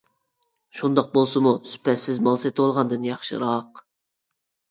شۇنداق بولسىمۇ سۈپەتسىز مال سېتىۋالغاندىن ياخشىراق.